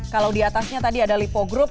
kalau diatasnya tadi ada lipo group